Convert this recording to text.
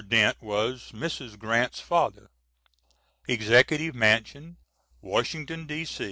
Dent was Mrs. Grant's father.] EXECUTIVE MANSION Washington, D.